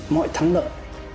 mọi thắng lợi